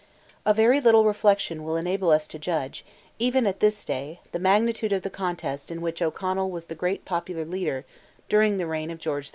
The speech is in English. A very little reflection will enable us to judge, even at this day, the magnitude of the contest in which O'Connell was the great popular leader, during the reign of George IV.